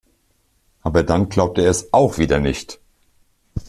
Aber dann glaubt er es auch wieder nicht.